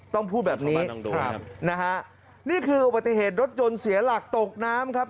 พูดแบบนี้ครับนะฮะนี่คืออุบัติเหตุรถยนต์เสียหลักตกน้ำครับ